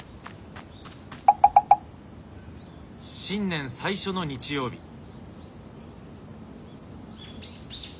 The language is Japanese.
新年最初の日曜日。